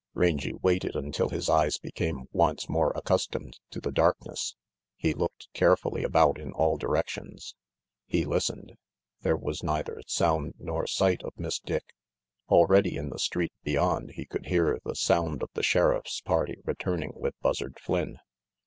Rangy waited until his eyes became once more accustomed to the darkness. He looked carefully about in all directions. He listened. There was neither sound nor sight of Miss Dick. Already in the street beyond he could hear the sound of the Sheriff's party returning with Buzzard Flynn.